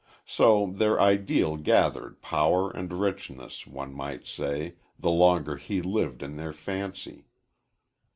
So their ideal gathered power and richness, one might say, the longer he lived in their fancy.